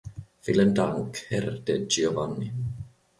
Vielen Dank, Herr De Giovanni.